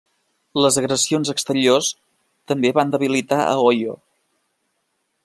Les agressions exteriors també van debilitar a Oyo.